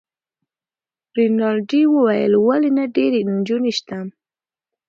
رینالډي وویل: ولي نه، ډیرې نجونې شته.